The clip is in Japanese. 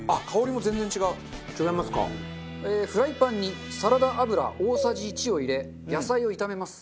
フライパンにサラダ油大さじ１を入れ野菜を炒めます。